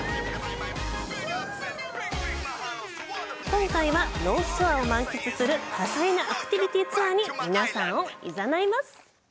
今回はノースショアを満喫する多彩なアクティビティツアーに皆さんをいざないます。